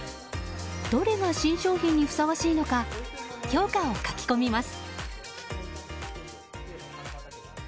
どれが新商品にふさわしいのか評価を書き込みます。